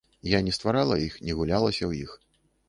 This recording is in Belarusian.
Я не стварала іх, не гулялася ў іх.